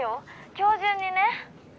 今日中にね！